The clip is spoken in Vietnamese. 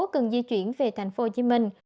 cần di chuyển về tp hcm